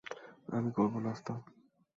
আমি করবো নাস্তা।